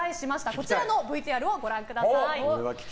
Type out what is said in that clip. こちらのＶＴＲをご覧ください。